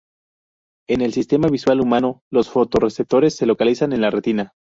En el sistema visual humano, los fotorreceptores se localizan en la retina.